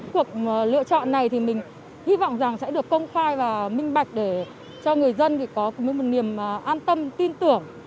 cuộc lựa chọn này thì mình hy vọng rằng sẽ được công khai và minh bạch để cho người dân có một niềm an tâm tin tưởng